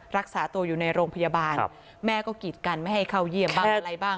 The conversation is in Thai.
รักษาตัวอยู่ในโรงพยาบาลแม่ก็กีดกันไม่ให้เข้าเยี่ยมบ้างอะไรบ้าง